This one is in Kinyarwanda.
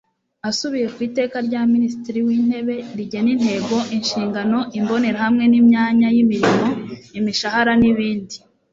asubiye ku iteka rya minisitiri w'intebe rigena intego, inshingano, imbonerahamwe y'imyanya y'imirimo, imishahara n'ibindi